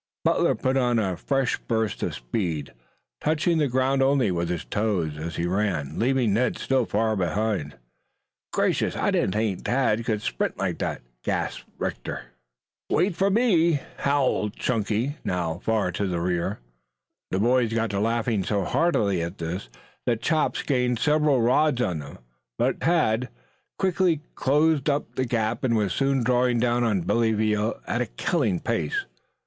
Butler put on a fresh burst of speed, touching the ground only with his toes, as he ran, leaving Ned still farther behind. "Gracious, I didn't think Tad could sprint like that," gasped Rector. "Wait for me," howled Chunky, now far to the rear. The boys got to laughing so heartily at this that Chops gained several rods on them, but Tad quickly closed up the gap and was soon drawing down on Billy Veal at a killing pace.